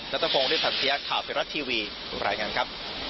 นัทธพงศ์ด้วยสัมเทียร์ข่าวเฟรัสทีวีบริเวณรายงานครับ